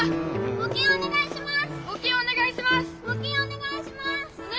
募金お願いします！